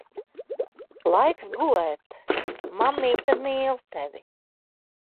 Laiks gulēt. Mammīte mīl tevi.